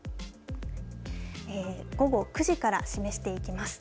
午後９時から示していきます。